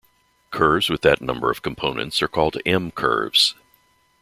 Curves with that number of components are called M-curves.